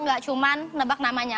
gak cuma nebak namanya